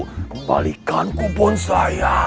kembalikan kupon saya